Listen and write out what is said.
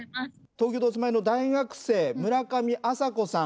東京でお住まいの大学生村上朝子さん。